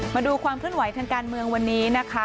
มาดูความเคลื่อนไหวทางการเมืองวันนี้นะคะ